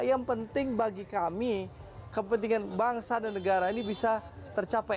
yang penting bagi kami kepentingan bangsa dan negara ini bisa tercapai